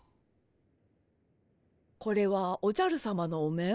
これはおじゃるさまのお面？